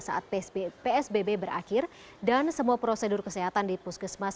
saat psbb berakhir dan semua prosedur kesehatan di puskesmas